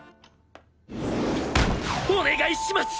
お願いします！